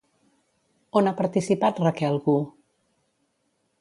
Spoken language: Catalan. On ha participat Raquel Gu?